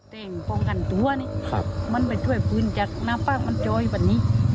่งป้องกันตัวนี่มันไปช่วยปืนจากน้ำป้ามันจอยวันนี้